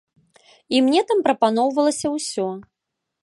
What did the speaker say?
І мне там прапаноўвалася ўсё.